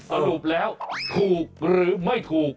สรุปแล้วถูกหรือไม่ถูก